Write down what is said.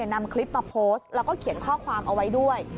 นำคลิปมาโพสต์แล้วก็เขียนข้อความเอาไว้ด้วย